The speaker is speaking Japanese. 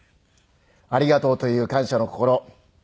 「ありがとう」という感謝の心。